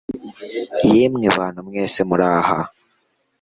yemwe bantu mwese muri aha